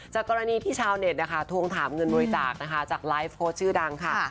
จากกรณีที่ชาวเน็ตทวงถามเงินบริจาคจากไลฟ์โค้ดชื่อดังค่ะ